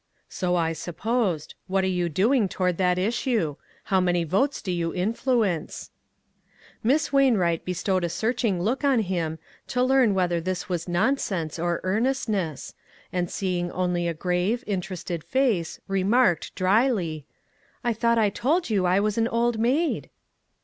" So I supposed. What are you doing to ward that issue? How many votes do you influence ?" "3 124 ONE COMMONPLACE DAY. Miss Wainwrigh.fi bestowed a searching look on him to learn whether this was non sense or earnestness, and seeing only a grave, interested face, remarked, dryly : "I thought I told you I was an old maid?"